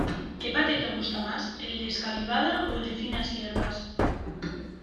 ¿Qué paté te gusta más, el de escalivada o el de finas hierbas?